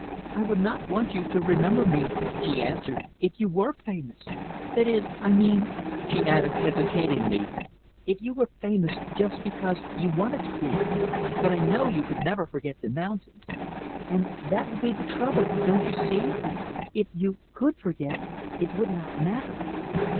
"I would not want you to remember me," she answered "if you were famous. That is I mean" she added hesitatingly "if you were famous just because you wanted to be. But I know you could never forget the mountains. And that would be the trouble; don't you see? If you could forget, it would not matter.